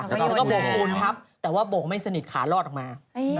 แล้วก็โบกปูนทับแต่ว่าโบกไม่สนิทขาลอดออกมา